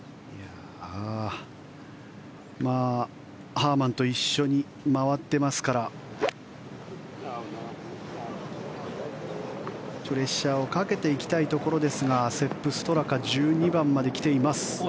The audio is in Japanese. ハーマンと一緒に回っていますからプレッシャーをかけていきたいところですがセップ・ストラカ１２番まで来ています。